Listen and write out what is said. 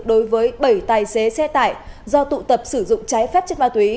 đối với bảy tài xế xe tải do tụ tập sử dụng trái phép chất ma túy